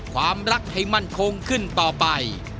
ความรักให้มั่นคงขึ้นต่อไป